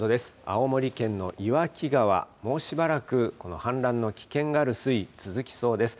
青森県の岩木川、もうしばらくこの氾濫の危険がある水位、続きそうです。